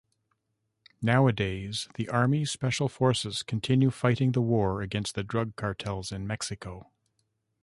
Nowadays the army special forces continue fighting the war against drug cartels in Mexico.